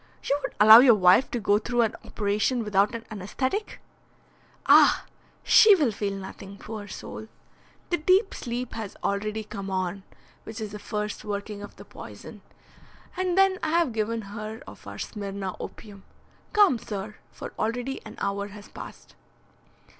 You would allow your wife to go through an operation without an anaesthetic?" "Ah! she will feel nothing, poor soul. The deep sleep has already come on, which is the first working of the poison. And then I have given her of our Smyrna opium. Come, sir, for already an hour has passed."